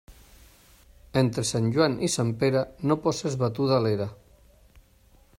Entre Sant Joan i Sant Pere, no poses batuda a l'era.